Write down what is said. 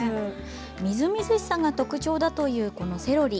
みずみずしさが特徴だというこのセロリ。